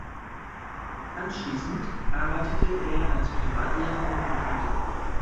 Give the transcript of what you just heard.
Anschließend arbeitete er als Privatlehrer und Buchhalter.